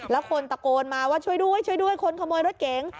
แล้วคนตะโกนมาว่าช่วยด้วยช่วยด้วยคนขโมยรถเก๋ง